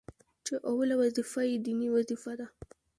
چي اوله وظيفه يې ديني وظيفه ده،